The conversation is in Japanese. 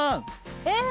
えっ？